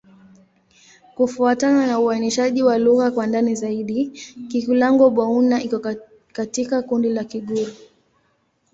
Kufuatana na uainishaji wa lugha kwa ndani zaidi, Kikulango-Bouna iko katika kundi la Kigur.